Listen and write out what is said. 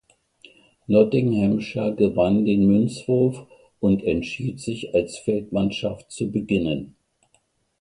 Nottinghamshire gewann den Münzwurf und entschied sich als Feldmannschaft zu beginnen.